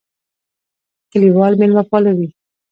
کلیوال مېلمهپاله وي.